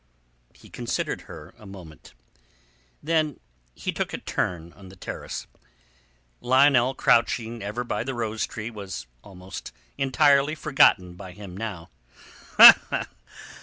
He considered her a moment. Then he took a turn on the terrace. Lionel crouching ever by the rose tree was almost entirely forgotten by him now.